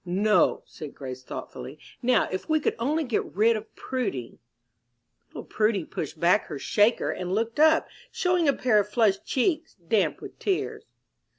"No," said Grace, thoughtfully. "Now if we could only get rid of Prudy " Little Prudy pushed back her "shaker," and looked up, showing a pair of flushed cheeks damp with tears.